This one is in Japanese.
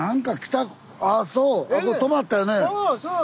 そうそう。